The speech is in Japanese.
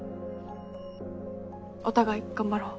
お互い頑張ろう。